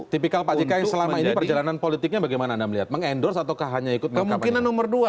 tipikal pak jk yang selama ini perjalanan politiknya bagaimana anda melihat meng endorse ataukah hanya ikut mkp